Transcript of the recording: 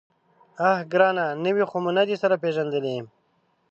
_اه ګرانه! نوي خو مو نه دي سره پېژندلي.